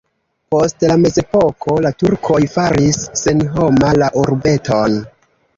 Post la mezepoko la turkoj faris senhoma la urbeton.